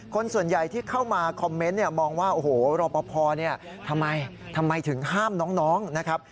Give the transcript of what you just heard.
คนส่วนใหญ่ที่เข้ามาคอมเมนต์เนี่ยมองว่าโอ้โหรอปภทำไมถึงห้ามน้องนะครับ